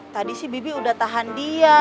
tadi sih bibi udah tahan dia